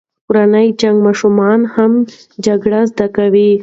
کورنی جنګ ماشومان هم جګړه زده کوي.